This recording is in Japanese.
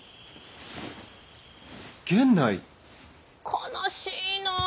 悲しいなぁ。